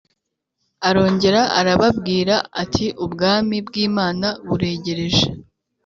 Arongera arababwira ati Ubwami bw Imana buregereje